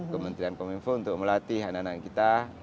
kementerian kominfo untuk melatih anak anak kita